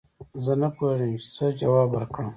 زه نه پوهېږم چې څه جواب ورکړم